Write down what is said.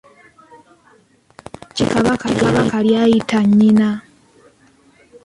Linnya ki Kabaka ly’ayita nnyina?